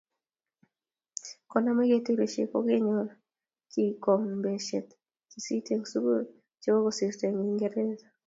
Koname keturishe ko kenyoru kikombeshe sisit eng sokol che kokosirto eng Uingreza.